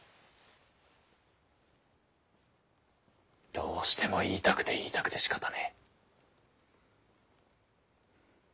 どうしても言いたくて言いたくてしかたねぇ。